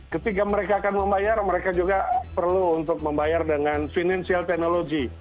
ketika mereka akan membayar mereka juga perlu untuk membayar dengan financial technology